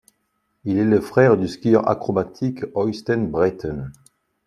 Il est le frère du skieur acrobatique Øystein Bråten.